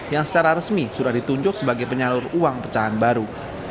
yang secara resmi sudah ditunjuk sebagai penyalur uang pecahan baru